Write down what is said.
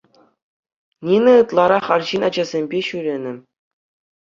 Нина ытларах арҫын ачасемпе ҫӳренӗ.